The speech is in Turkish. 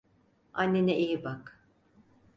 Annene iyi bak.